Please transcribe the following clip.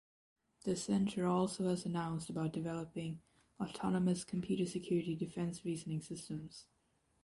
The centre also has announced about developing ""autonomous computer security defense reasoning systems"".